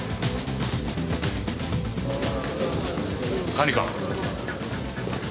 管理官！